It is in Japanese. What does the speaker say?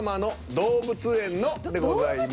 「動物園の」でございます。